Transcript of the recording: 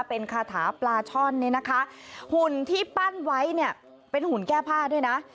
เป็นคาถาปลาช่อนเนี่ยนะคะหุ่นที่ปั้นไว้เนี่ยเป็นหุ่นแก้ผ้าด้วยนะ